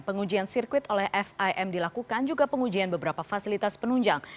pengujian sirkuit oleh fim dilakukan juga pengujian beberapa fasilitas penunjang